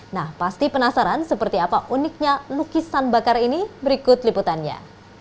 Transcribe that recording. nah pasti penasaran seperti apa uniknya lukisan bakar ini berikut liputannya